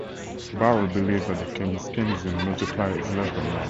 Barro believes that the Keynesian multiplier is less than one.